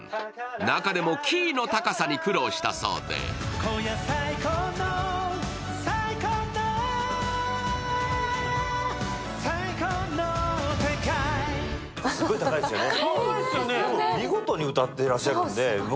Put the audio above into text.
中でもキーの高さに苦労したそうで高いですよね。